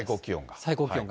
最高気温が。